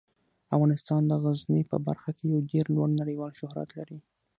افغانستان د غزني په برخه کې یو ډیر لوړ نړیوال شهرت لري.